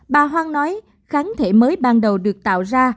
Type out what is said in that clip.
bà hoang nói kháng thể mới ban đầu được tạo ra